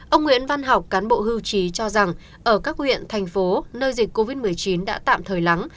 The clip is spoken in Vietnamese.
ông nguyễn văn học cán bộ hưu trí cho rằng ở các huyện thành phố nơi dịch covid một mươi chín đã tạm thời lắng